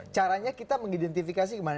caranya kita mengidentifikasi gimana